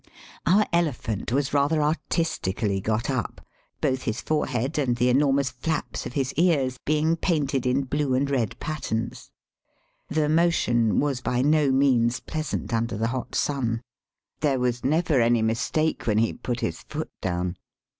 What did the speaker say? Our elephant was rather artistically got up, both Digitized by VjOOQIC 316 . EAST BY WEST. his forehead and the enormous flaps of his ears heing painted in hlue and red patterns. The motion was by no means pleasant under the hot sun. There was never any mistake when he put his foot down.